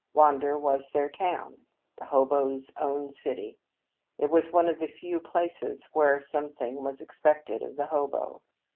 Wander was their town the hoboes' own city. It was one of the few places where something was expected of the hobo.